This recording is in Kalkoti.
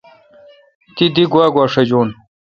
تی دی گوا گوا شجون۔